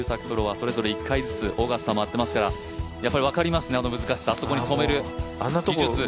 プロはそれぞれ１回ずつ、オーガスタを回っていますから、やっぱり分かりますね、あの難しさあそこに止める技術。